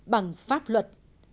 bằng pháp luật